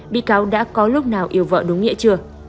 bị cáo đã có lúc nào yêu vợ đúng nghĩa chưa